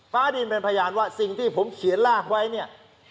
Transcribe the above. ฟ้าดินเป็นพยานว่าสิ่งที่ผมเขียนลากไว้เนี่ย